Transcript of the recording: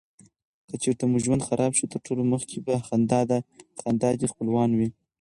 که چیرته مو ژوند خراب شي تر ټولو مخکي به خندا دې خپلوانو وې.